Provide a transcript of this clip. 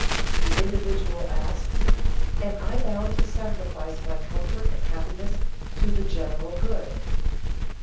The individual asks, "Am I bound to sacrifice my comfort and happiness to the general good?"